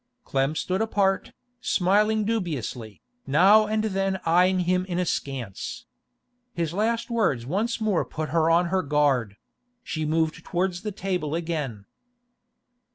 Clem stood apart, smiling dubiously, now and then eyeing him askance. His last words once more put her on her guard; she moved towards the table again.